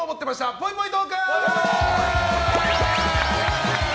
ぽいぽいトーク。